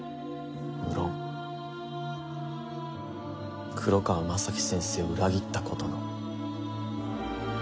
無論黒川政樹先生を裏切ったことの。